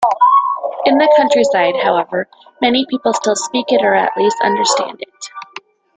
In the countryside, however, many people still speak it or at least understand it.